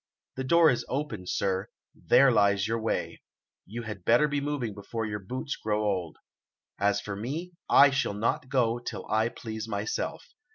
The door is open, sir; there lies your way; you had better be moving before your boots grow old. As for me, I shall not go till I please myself.